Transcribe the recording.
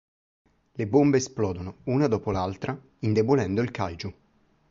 Le bombe esplodono una dopo l'altra, indebolendo il kaiju.